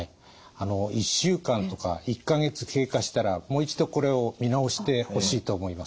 １週間とか１か月経過したらもう一度これを見直してほしいと思います。